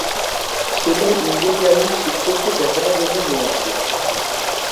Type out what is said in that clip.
সে তার ইঞ্জিনিয়ারিং শিক্ষককে দেখানোর জন্য নিয়ে আসে।